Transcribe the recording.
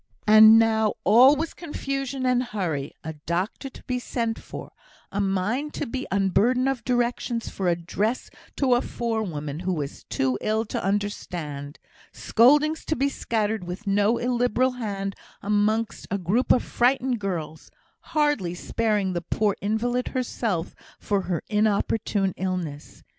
And now, all was confusion and hurry; a doctor to be sent for; a mind to be unburdened of directions for a dress to a forewoman, who was too ill to understand; scoldings to be scattered with no illiberal hand amongst a group of frightened girls, hardly sparing the poor invalid herself for her inopportune illness.